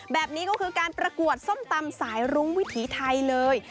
แบบนี้ก็คือการประกวดส้มตำสายรุ้งวิถีไทยเลย